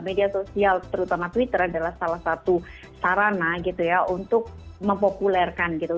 media sosial terutama twitter adalah salah satu sarana gitu ya untuk mempopulerkan gitu